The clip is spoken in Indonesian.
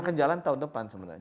akan jalan tahun depan sebenarnya